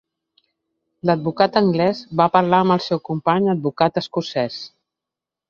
L'advocat anglès va parlar amb el seu company advocat escocès.